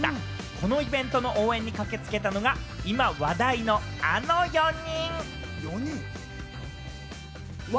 このイベントの応援に駆けつけたのが今話題のあの４人。